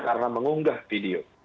karena mengunggah video